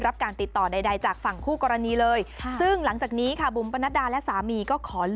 การติดต่อใดจากฝั่งคู่กรณีเลยซึ่งหลังจากนี้ค่ะบุ๋มปนัดดาและสามีก็ขอ